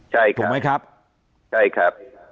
ถูกมั้ยครับใช่ครับ